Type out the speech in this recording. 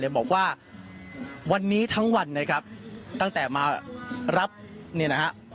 บอกว่าวันนี้ทั้งวันนะครับตั้งแต่มารับเนี่ยนะฮะ